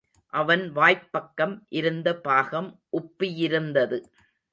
அவன் வாய்ப் பக்கம் இருந்த பாகம் உப்பி யிருந்தது.